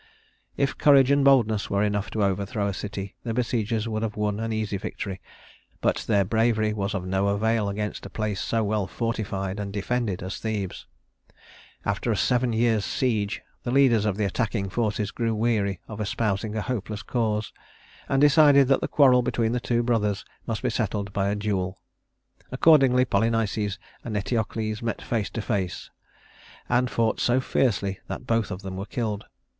If courage and boldness were enough to overthrow a city, the besiegers would have won an easy victory; but their bravery was of no avail against a place so well fortified and defended as Thebes. After a seven years' siege the leaders of the attacking forces grew weary of espousing a hopeless cause, and decided that the quarrel between the two brothers must be settled by a duel. Accordingly Polynices and Eteocles met face to face, and fought so fiercely that both of them were killed.